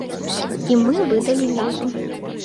І мы выдалі візу.